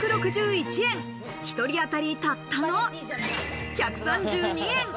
１人あたり、たったの１３２円。